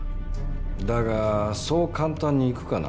だがそう簡単にいくかな？